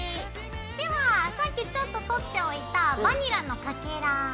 ではさっきちょっと取っておいたバニラのかけら。